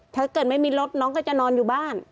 ถ้าเกิดไม่มีรถน้องก็จะนอนอยู่บ้าน